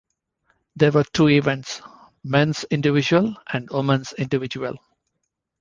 There were two events: men's individual and women's individual.